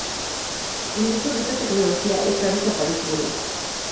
El uso de esta tecnología está desapareciendo.